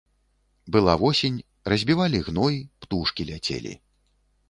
Была восень, разбівалі гной, птушкі ляцелі.